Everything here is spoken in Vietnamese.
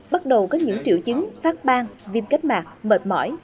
bắt đầu có những triệu chứng phát bang viêm kết mạc mệt mỏi